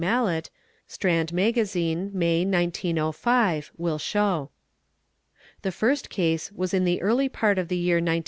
Mallett (Strand } Magazine, May, 1905) will show. The first case was in the early part of the year 1905.